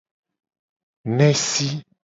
Nesi.